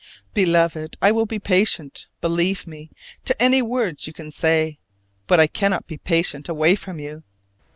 Beloved, I will be patient, believe me, to any words you can say: but I cannot be patient away from you.